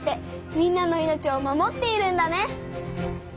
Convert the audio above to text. みんなの命を守っているんだね。